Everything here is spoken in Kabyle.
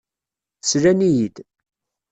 Slan-iyi-d.